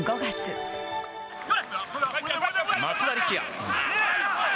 松田力也。